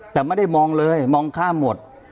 แต่ไม่ได้มองเลยมองข้ามหมด